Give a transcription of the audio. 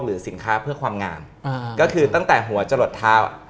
สินค้าเพื่อความงามก็คือตั้งแต่หัวจะหลดเท้า